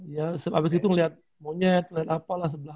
iya abis itu ngeliat monyet liat apa lah sebelah